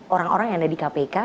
orang orang yang ada di kpk